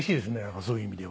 そういう意味では。